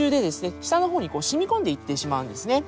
下のほうにしみこんでいってしまうんですね。